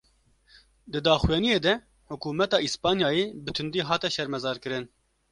Di daxuyaniyê de hukûmeta Îspanyayê, bi tundî hate şermezarkirin